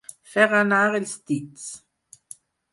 Fer anar els dits.